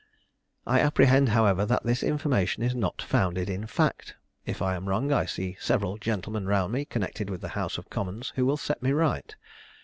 "I apprehend, however, that this information is not founded in fact: if I am wrong, I see several gentlemen round me, connected with the house of commons, who will set me right.